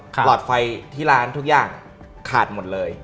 หลอดไฟที่ร้านทุกอย่างขาดหมดเลย